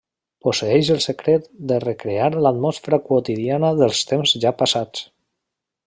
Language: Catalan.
Posseeix el secret de recrear l'atmosfera quotidiana dels temps ja passats.